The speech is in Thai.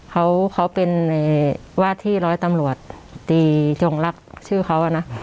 เขาเขาเป็นว่าที่ร้อยตำรวจตีจงรักชื่อเขาอะนะ